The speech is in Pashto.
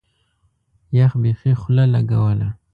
يخ بيخي خوله لګوله.